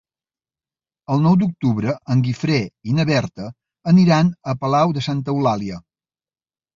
El nou d'octubre en Guifré i na Berta aniran a Palau de Santa Eulàlia.